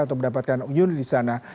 untuk mendapatkan unit di sana